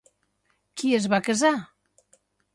Qui es va casar?